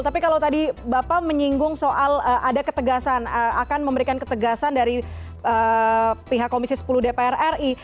tapi kalau tadi bapak menyinggung soal ada ketegasan akan memberikan ketegasan dari pihak komisi sepuluh dpr ri